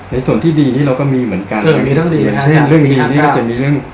ในส่วนที่ดีนี้เราก็มีเหมือนกันเช่นเรื่องดีนี่ก็จะมีเรื่อง